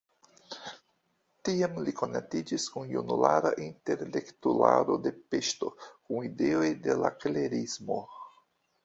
Tiam li konatiĝis kun junulara intelektularo de Peŝto, kun ideoj de la klerismo.